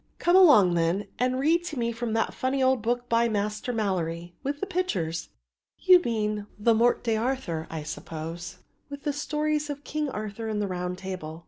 "Come along, then, and read to me from that funny old book by Master Malory, with the pictures." "You mean the 'Morte d'Arthur,' I suppose, with the stories of King Arthur and the Round Table.